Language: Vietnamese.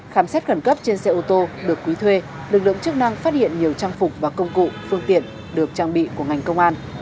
khám xét khẩn cấp trên xe ô tô được quý thuê lực lượng chức năng phát hiện nhiều trang phục và công cụ phương tiện được trang bị của ngành công an